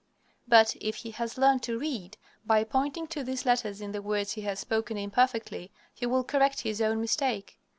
But, if he has learned to read, by pointing to these letters in the words he has spoken imperfectly, he will correct his own mistake.